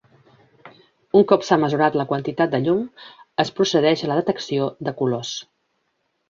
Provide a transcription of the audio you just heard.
Un cop s'ha mesurat la quantitat de llum es procedeix a la detecció de colors.